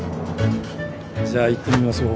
じゃあ行ってみましょう。